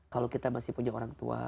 kalau kita masih punya orang tua